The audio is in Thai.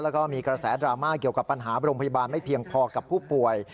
แล้วก็มีกระแสดราม่าเกี่ยวกับปัญหาโรงพยาบาลไม่เพียงพอกับผู้ป่วย